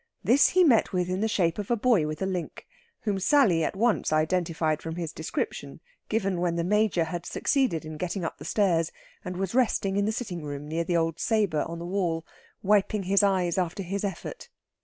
This he met with in the shape of a boy with a link, whom Sally at once identified from his description, given when the Major had succeeded in getting up the stairs and was resting in the sitting room near the old sabre on the wall, wiping his eyes after his effort.